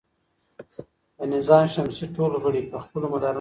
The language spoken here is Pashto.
د نظام شمسي ټول غړي په خپلو مدارونو کې ګرځي.